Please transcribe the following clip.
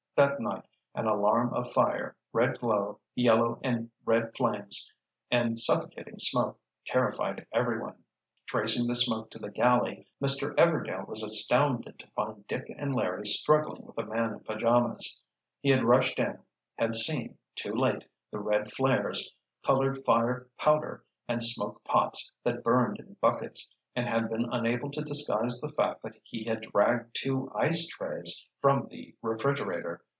That night an alarm of fire, red glow, yellow and red flames, and suffocating smoke, terrified everyone. Tracing the smoke to the galley, Mr. Everdail was astounded to find Dick and Larry struggling with a man in pajamas—he had rushed in, had seen—too late—the red flares, colored fire powder and smoke pots that burned in buckets, and had been unable to disguise the fact that he had dragged two ice trays from the refrigerator.